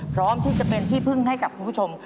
พร้อมที่จะเป็นที่พึ่งให้กับคุณผู้ชม